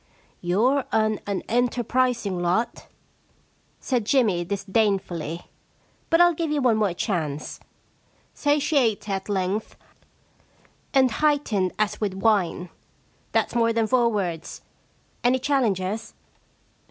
* YouVe an unenterprising lot/ said Jimmy disdainfully. * But I'll give you one more chance. Satiate at length, and heightened as with wine." That's more than four words. Any challengers